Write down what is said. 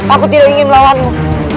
aku tidak ingin melawanmu